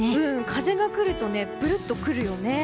風が来るとぶるっと来るよね。